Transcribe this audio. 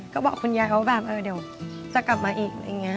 ก็บอกคุณยายว่าแบบเดี๋ยวจะกลับมาอีก